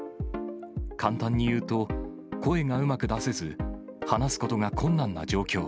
簡単に言うと、声がうまく出せず、話すことが困難な状況。